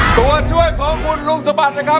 ตัวช่วยของคุณลุงสะบัดนะครับ